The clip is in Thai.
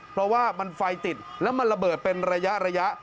เพราะว่ามันไฟติดแล้วมันระเบิดเป็นระยะ